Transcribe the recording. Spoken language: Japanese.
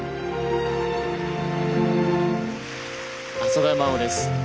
浅田真央です。